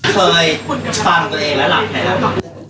เคยฟังตัวเองแล้วหลับแน่